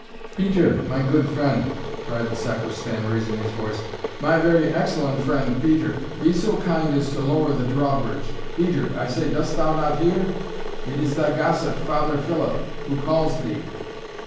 "Peter, my good friend," cried the Sacristan, raising his voice; "my very excellent friend, Peter, be so kind as to lower the drawbridge. Peter, I say, dost thou not hear? it is thy gossip, Father Philip, who calls thee."